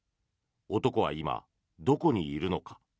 男は今、どこにいるのか。